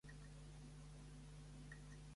Lliga les regnes en aquella argolla.